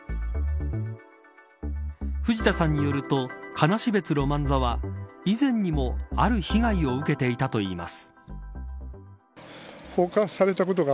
藤田さんによると悲別ロマン座は以前にも、ある被害を受けていたといいます。